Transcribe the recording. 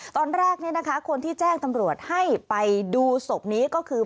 ตอนแรกคนที่แจ้งตำรวจให้ไปดูศพนี้ก็คือ